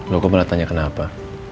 loh gue mau tanya kenapa